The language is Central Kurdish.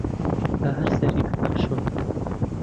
با هەر سەری بکا شۆڕ